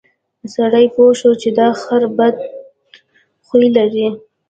سړي پوه شو چې دا خر بد خوی لري.